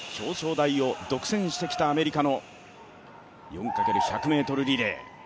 １００、２００、表彰台を独占してきたアメリカの４×１００ｍリレー。